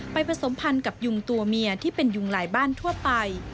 ผสมพันธ์กับยุงตัวเมียที่เป็นยุงหลายบ้านทั่วไป